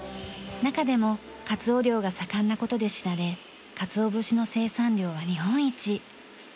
中でもカツオ漁が盛んな事で知られ鰹節の生産量は日本一。